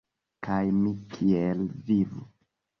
Kaj mi kiel vivu?